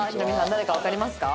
誰かわかりますか？